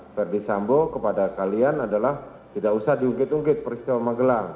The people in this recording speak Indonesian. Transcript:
saudara ferdinand sambu kepada kalian adalah tidak usah diungkit ungkit peristiwa di magelang